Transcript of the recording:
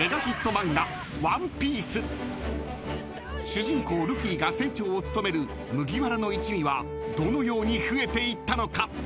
［主人公ルフィが船長を務める麦わらの一味はどのように増えていったのか］